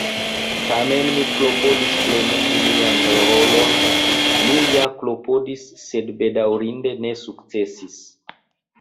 Tamen mi klopodis plenumi mian rolon; mi ja klopodis, sed bedaŭrinde ne sukcesis.